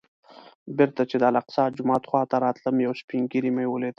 بېرته چې د الاقصی جومات خوا ته راتلم یو سپین ږیری مې ولید.